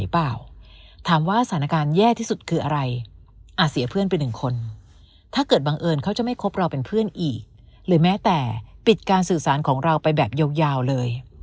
ปิดการสื่อสารของเราไปแบบยาวเลย